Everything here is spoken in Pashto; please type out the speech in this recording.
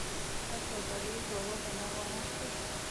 آیا سوداګري به وده ونه کړي؟